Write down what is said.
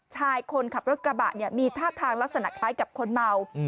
ชายคนขับรถกระบะเนี่ยมีท่าทางลักษณะคล้ายกับคนเมา